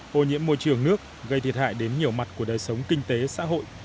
ô nhiễm môi trường nước gây thiệt hại đến nhiều mặt của đời sống kinh tế xã hội